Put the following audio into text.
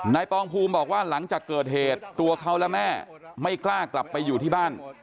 ปองภูมิบอกว่าหลังจากเกิดเหตุตัวเขาและแม่ไม่กล้ากลับไปอยู่ที่บ้าน